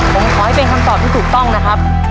ผมขอให้เป็นคำตอบที่ถูกต้องนะครับ